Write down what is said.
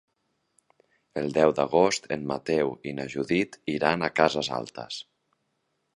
El deu d'agost en Mateu i na Judit iran a Cases Altes.